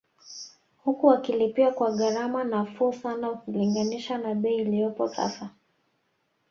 Huku wakilipia kwa gharama nafuu sana ukilinganisha na bei iliyopo sasa